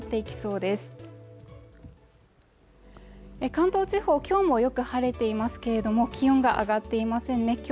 きょうもよく晴れていますけれども気温が上がっていませんね